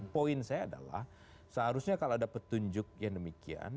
poin saya adalah seharusnya kalau ada petunjuk yang demikian